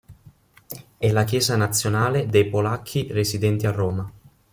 È la chiesa nazionale dei polacchi residenti a Roma.